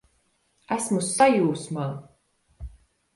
Esmu sajūsmā!